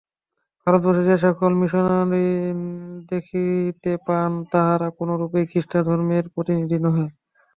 ভারতবর্ষে যে সকল মিশনরী দেখিতে পান, তাহারা কোনরূপেই খ্রীষ্টধর্মের প্রতিনিধি নহে।